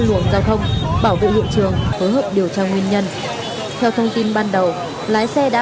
luận giao thông bảo vệ hội trường hối hợp điều tra nguyên nhân theo thông tin ban đầu lái xe đã